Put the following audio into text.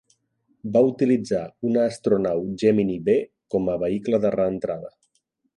Va utilitzar una astronau Gemini B com a vehicle de reentrada.